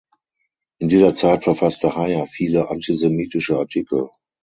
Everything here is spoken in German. In dieser Zeit verfasste Heyer viele antisemitische Artikel.